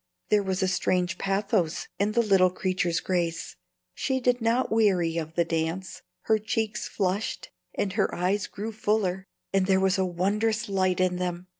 There was a strange pathos in the little creature's grace; she did not weary of the dance: her cheeks flushed, and her eyes grew fuller, and there was a wondrous light in them.